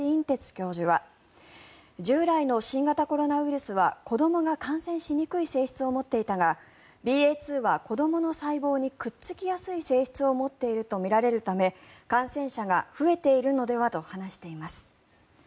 てつ教授は従来の新型コロナウイルスは子どもが感染しにくい性質を持っていたがＢＡ．２は子どもの細胞にくっつきやすい性質を持っているとみられるため感染者が増えているのではと話しています。